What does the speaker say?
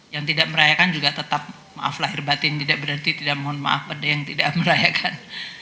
yang tidak merayakan juga tetap maaf lahir batin tidak berarti tidak mohon maaf ada yang tidak merayakan